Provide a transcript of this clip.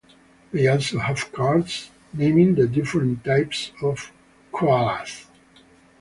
They also have cards, naming the different types of "koalas".